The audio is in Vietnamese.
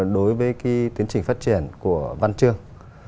đối với cái tiến trình phát triển của văn trương